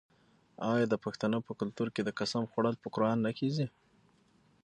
آیا د پښتنو په کلتور کې د قسم خوړل په قران نه کیږي؟